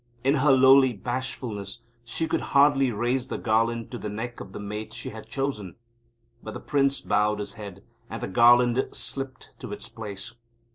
In her lowly bashfulness she could hardly raise the garland to the neck of the Mate she had chosen. But the Prince bowed his head, and the garland slipped to its place.